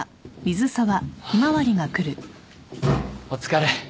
・お疲れ。